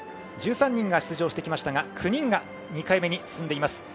１３人が出場してきましたが９人が２回目に出場します。